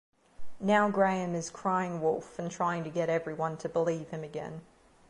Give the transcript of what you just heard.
Now Graham is "crying wolf" trying to get everyone to believe him again.